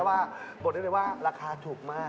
บอกกันเลยว่าราคาถูกมาก